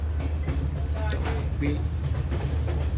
Togbe.